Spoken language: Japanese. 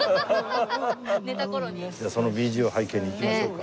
そのＢＧＭを背景に行きましょうか。